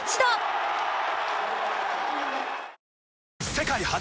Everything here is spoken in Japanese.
世界初！